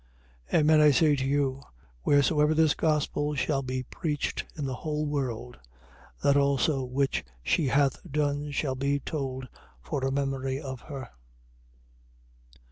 26:13. Amen I say to you, wheresoever this gospel shall be preached in the whole world, that also which she hath done shall be told for a memory of her.